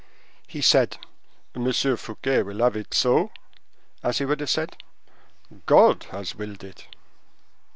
He said, "M. Fouquet will have it so," as he would have said, "God has willed it."